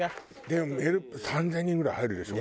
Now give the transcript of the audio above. でもメル３０００人ぐらい入るでしょ？